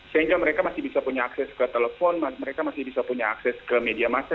sehingga mereka masih bisa punya akses ke telepon mereka masih bisa punya akses ke media massa